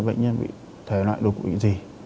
bệnh nhân bị thể loại đột quỵ gì